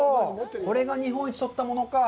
これが日本一とったものか。